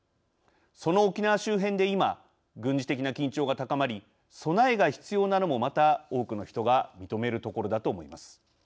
その沖縄周辺で今軍事的な緊張が高まり備えが必要なのもまた多くの人が認めるところだと思います。